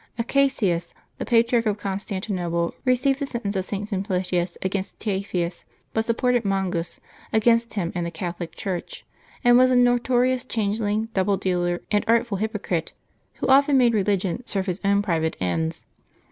Acacius, the Patri arch of Constantinople, received the sentence of St. Sim plicius against Cnaphens, but supported Mongus against him and the Catholic Church, and was a notorious change ling, double dealer, and artful hypocrite, who often made religion serve his own private ends.